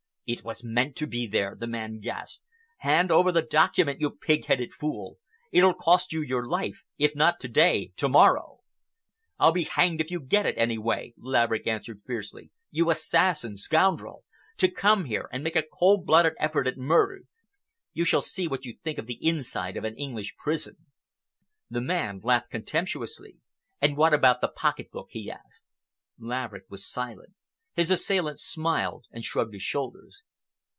"It was meant to be there," the man gasped. "Hand over the document, you pig headed fool! It'll cost you your life—if not to day, to morrow." "I'll be hanged if you get it, anyway!" Laverick answered fiercely. "You assassin! Scoundrel! To come here and make a cold blooded effort at murder! You shall see what you think of the inside of an English prison." The man laughed contemptuously. "And what about the pocket book?" he asked. Laverick was silent. His assailant smiled and shrugged his shoulders.